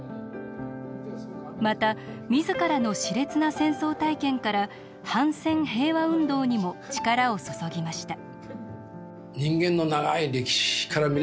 また自らのしれつな戦争体験から反戦平和運動にも力を注ぎました。